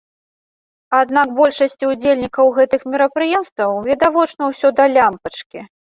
Аднак большасці ўдзельнікаў гэтых мерапрыемстваў відавочна ўсё да лямпачкі.